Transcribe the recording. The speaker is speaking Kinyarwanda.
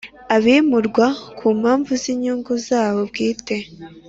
abimurwa ku mpamvu z inyungu zabo bwite